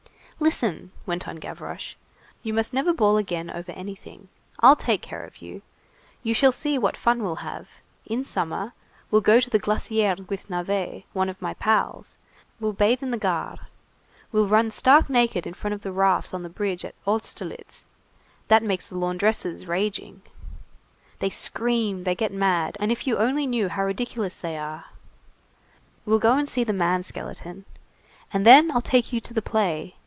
"Listen," went on Gavroche, "you must never bawl again over anything. I'll take care of you. You shall see what fun we'll have. In summer, we'll go to the Glacière with Navet, one of my pals, we'll bathe in the Gare, we'll run stark naked in front of the rafts on the bridge at Austerlitz,—that makes the laundresses raging. They scream, they get mad, and if you only knew how ridiculous they are! We'll go and see the man skeleton. And then I'll take you to the play.